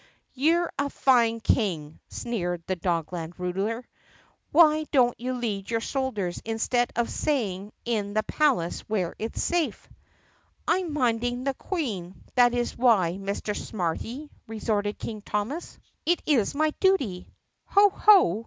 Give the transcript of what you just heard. "You're a fine king!" sneered the Dogland ruler. "Why don't you lead your soldiers instead of staying in the palace where it's safe?" "I'm minding the Queen, that's why, Mr. Smarty!" re torted King Thomas. "It is my duty." "Ho! ho!"